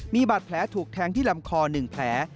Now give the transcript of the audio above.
มีบาดแผลถูกแทงที่ลำคอ๑แผล